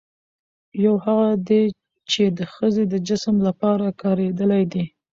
يوهغه دي، چې د ښځې د جسم لپاره کارېدلي دي